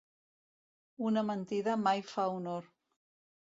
Una mentida mai fa honor.